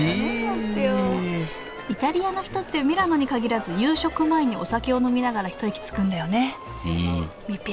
イタリアの人ってミラノにかぎらず夕食前にお酒を飲みながら一息つくんだよね